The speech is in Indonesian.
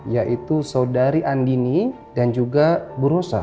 yaitu saudari andini dan juga bu rosa